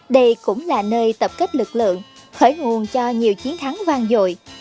đây cũng là nơi tập kết lực lượng khởi nguồn cho nhiều chiến thắng vang dội